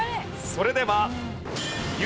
それでは。